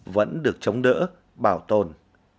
vẫn được chống đỡ bảo tồn